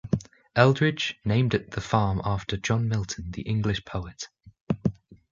Eldridge named the farm after John Milton, the English poet.